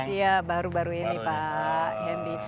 iya baru baru ini pak hendy